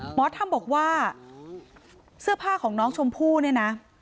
หมอธรรมบอกว่าเสื้อผ้าของน้องชมพู่เนี่ยนะ